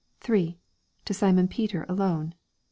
To Simon Peter alone.